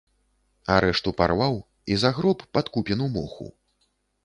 А рэшту парваў і загроб пад купіну моху.